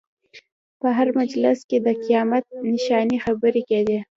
په هر مجلس کې د قیامت نښانې خبرې کېدې.